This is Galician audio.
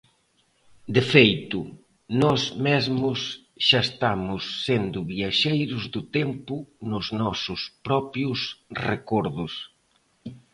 De feito, nós mesmos xa estamos sendo viaxeiros do tempo nos nosos propios recordos.